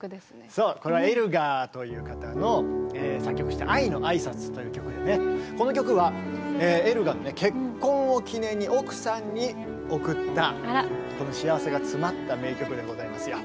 そうこれはエルガーという方の作曲した「愛のあいさつ」という曲でねこの曲はエルガーの結婚を記念に奥さんに贈った幸せがつまった名曲でございますよ。